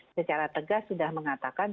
secara tegas sudah mengatakan